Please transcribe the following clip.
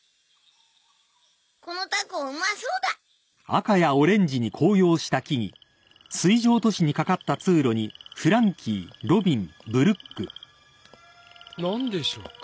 このタコうまそうだなんでしょうか